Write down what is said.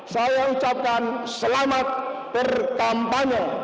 saya ucapkan selamat bertampanye